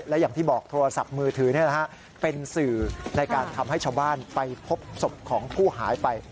และอย่างที่บอกโทรศัพท์มือถือเป็นสื่อในการทำให้ชาวบ้านไปพบศพของผู้หายไป